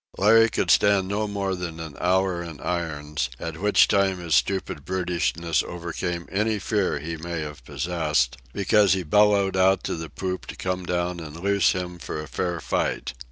Larry could stand no more than an hour in irons, at which time his stupid brutishness overcame any fear he might have possessed, because he bellowed out to the poop to come down and loose him for a fair fight.